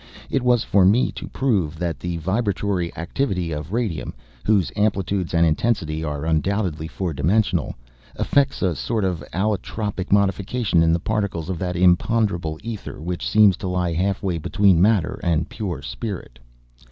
It was for me to prove that the vibratory activity of radium (whose amplitudes and intensity are undoubtedly four dimensional) effects a sort of allotropic modification in the particles of that imponderable ether which seems to lie halfway between matter and pure spirit.